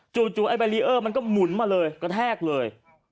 ไอ้แบรีเออร์มันก็หมุนมาเลยกระแทกเลย